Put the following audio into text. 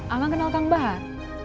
angak kenal kang bahar